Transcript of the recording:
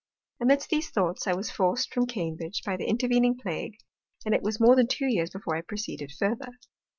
Amidst these Thoughts I was forc'd from Cambridge by the Intervening Plague, and it was more than two Years before I proceeded further.